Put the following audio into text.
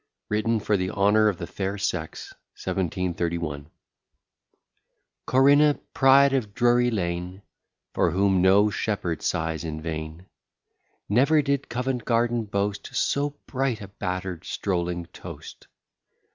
WRITTEN FOR THE HONOUR OF THE FAIR SEX. 1731 Corinna, pride of Drury Lane, For whom no shepherd sighs in vain; Never did Covent Garden boast So bright a batter'd strolling toast!